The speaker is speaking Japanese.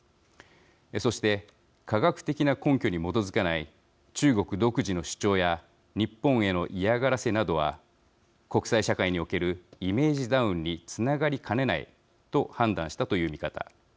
そして科学的な根拠に基づかない中国独自の主張や日本への嫌がらせなどは国際社会におけるイメージダウンにつながりかねないと判断したという見方。